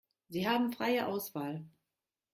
Sie haben freie Auswahl.